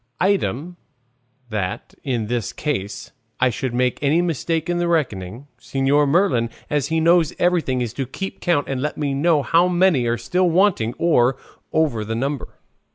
Item, that, in case I should make any mistake in the reckoning, Señor Merlin, as he knows everything, is to keep count, and let me know how many are still wanting or over the number."